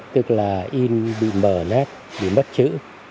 tức là in bị mờ nét bị mất chữ